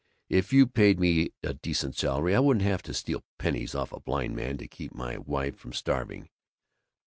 If you paid me a decent salary I wouldn't have to steal pennies off a blind man to keep my wife from starving.